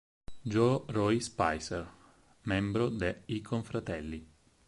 Joe Roy Spicer: membro de "i Confratelli".